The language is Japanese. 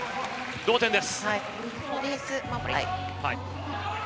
同点です。